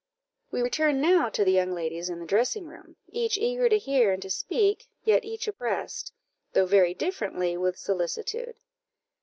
We return now to the young ladies in the dressing room, each eager to hear and to speak, yet each oppressed, though very differently, with solicitude.